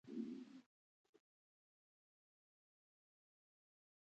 پکتیکا د افغانانو لپاره په معنوي لحاظ ارزښت لري.